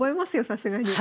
さすがに。